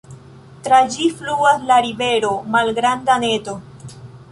Tra ĝi fluas la rivero Malgranda Neto.